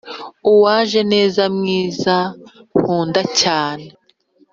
Uwajeneza mwiza nkunda cyane